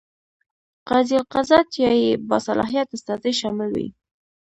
قاضي القضات یا یې باصلاحیت استازی شامل وي.